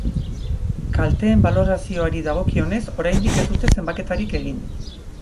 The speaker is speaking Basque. Kalteen balorazioari dagokionez, oraindik ez dute zenbaketarik egin.